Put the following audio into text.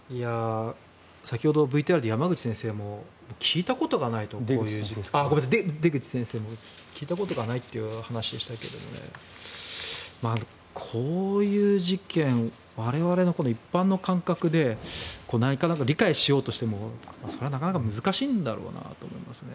先ほどＶＴＲで出口先生も聞いたことがないという話でしたがこういう事件我々の一般の感覚でなんとなく理解しようとしてもなかなか難しいんだろうなと思いますね。